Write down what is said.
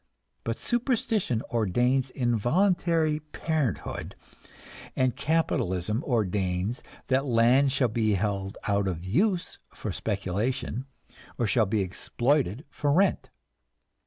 But superstition ordains involuntary parenthood, and capitalism ordains that land shall be held out of use for speculation, or shall be exploited for rent!